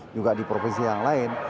juga di provinsi yang lain